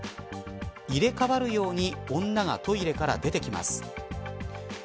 入れ替わるように女がトイレから出てきます。